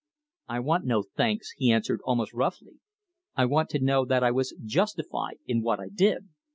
"I want no thanks," he answered, almost roughly. "I want to know that I was justified in what I did.